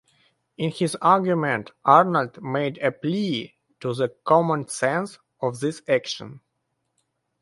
In his argument, Arnold made a plea to the "common sense" of this action.